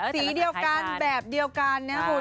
สีเดียวกันแบบเดียวกันนะครับคุณ